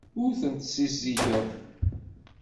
Ur tent-ssizdigeɣ.